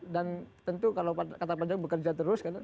dan tentu kalau kata panjang bekerja terus